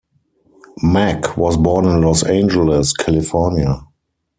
Mack was born in Los Angeles, California.